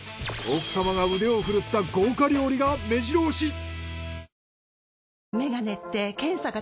奥様が腕をふるった豪華料理が目白押し！